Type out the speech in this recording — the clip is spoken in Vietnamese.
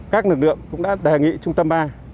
các lực lượng cũng đã đề nghị trung tâm ba